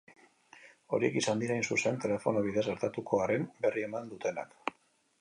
Horiek izan dira, hain zuzen, telefono bidez gertatutakoaren berri eman dutenak.